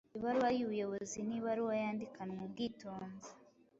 Ibaruwa y’ubuyobozi ni ibaruwa yandikanwa ubwitonzi